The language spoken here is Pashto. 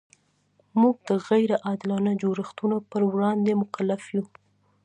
موږ د غیر عادلانه جوړښتونو پر وړاندې مکلف یو.